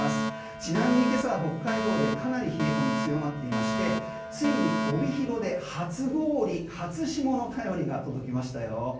ちなみに今朝、北海道でかなり冷え込み強まっていましてついに帯広で初氷、初霜の便りが届きましたよ。